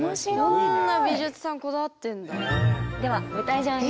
こんな美術さんこだわってんだ。